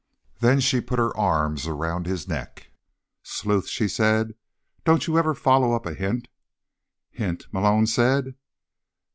Then she put her arms around his neck. "Sleuth," she said, "don't you ever follow up a hint?" "Hint?" Malone said.